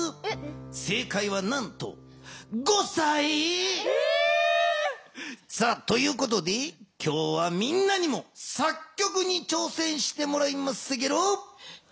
せいかいはなんとということで今日はみんなにも作曲にちょうせんしてもらいますゲロ。